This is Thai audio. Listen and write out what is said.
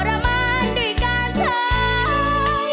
กลับมาท่าน้าที่รักอย่าช้านับสิสามเชย